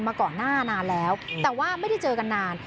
มาก่อนหน้านานแล้วแต่ว่าไม่ได้เจอกันนาน